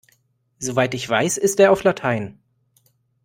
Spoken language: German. Soweit ich weiß ist er auf Latein.